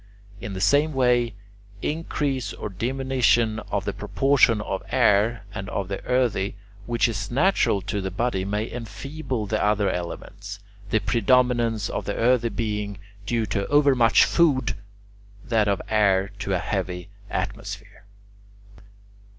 In the same way, increase or diminution of the proportion of air or of the earthy which is natural to the body may enfeeble the other elements; the predominance of the earthy being due to overmuch food, that of air to a heavy atmosphere.